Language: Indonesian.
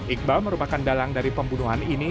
iqbal merupakan dalang dari pembunuhan ini